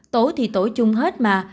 tổ thì tổ chung hết mà